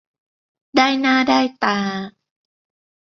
ได้หน้าได้ตา